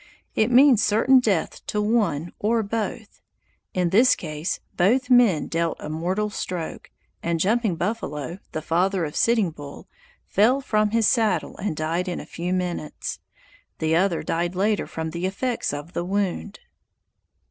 It means certain death to one or both. In this case, both men dealt a mortal stroke, and Jumping Buffalo, the father of Sitting Bull, fell from his saddle and died in a few minutes. The other died later from the effects of the wound.